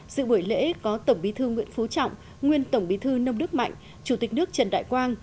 dự buổi lễ có tổng bí thư nguyễn phú trọng nguyên tổng bí thư nông đức mạnh chủ tịch nước trần đại quang